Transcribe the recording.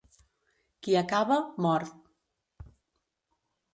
Qui acaba, mor.